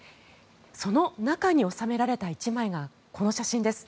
その中に収められた１枚がこの写真です。